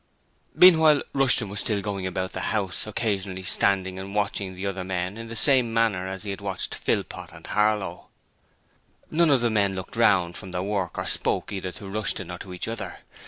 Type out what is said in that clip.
Meanwhile, Rushton was still going about the house, occasionally standing and watching the other men in the same manner as he had watched Philpot and Harlow. None of the men looked round from their work or spoke either to Rushton or to each other.